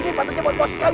ini patahnya buat bos kalian